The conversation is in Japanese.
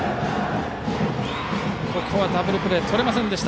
ここはダブルプレーをとれませんでした。